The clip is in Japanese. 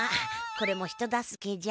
これも人助けじゃ。